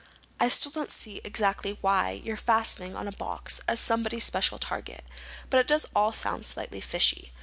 I still don't see exactly why you're fastening on the box as somebody's special target, but it does all sound slightly fishy.